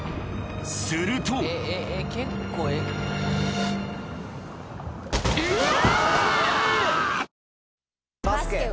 するとうわ！